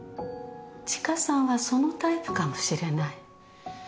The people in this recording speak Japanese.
知花さんはそのタイプかもしれない。